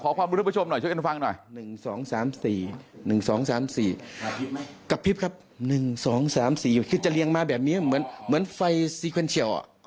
คุณผู้ชมใครรู้ว่ามันคือไฟอะไร